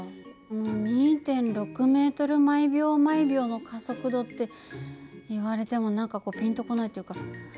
２．６ｍ／ｓの加速度っていわれても何かこうピンと来ないというか実感湧かないよね。